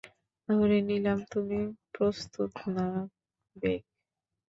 ধরে নিলাম, তুমি প্রস্তুত না, বেক!